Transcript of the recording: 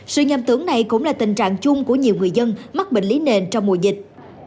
sự nhầm tưởng này cũng là tình trạng chung của nhiều người dân mắc bệnh lý nền trong mùa dịch